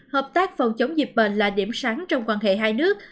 hợp tác phòng chống dịch bệnh là điểm sáng trong quan hệ hai nước